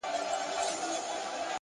هوډ د سختیو په منځ کې ولاړ وي!